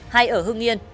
hay ở hương yên